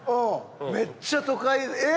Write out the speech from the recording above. めっちゃ都会えっ？